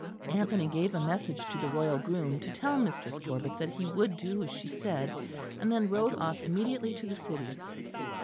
Anthony gave a message to the royal groom, to tell Mistress Corbet that he would do as she said, and then rode off immediately to the city.